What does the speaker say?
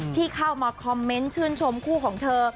ที่เข้ามาคอมเมนต์ชื่นชมคู่ของเธอ